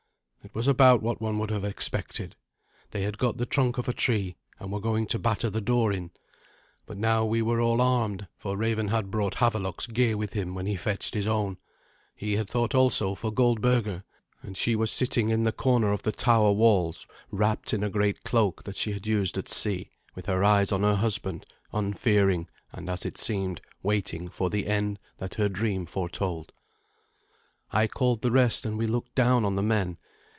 It was about what one would have expected. They had got the trunk of a tree, and were going to batter the door in. But now we were all armed, for Raven had brought Havelok's gear with him when he fetched his own. He had thought also for Goldberga, and she was sitting in the corner of the tower walls wrapped in a great cloak that she had used at sea, with her eyes on her husband, unfearing, and as it seemed waiting for the end that her dream foretold. I called the rest, and we looked down on the men.